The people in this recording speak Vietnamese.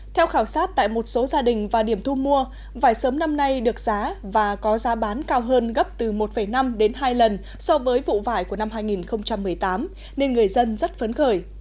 theo khảo sát tại một số gia đình và điểm thu mua vải sớm năm nay được giá và có giá bán cao hơn gấp từ một năm đến hai lần so với vụ vải của năm hai nghìn một mươi tám nên người dân rất phấn khởi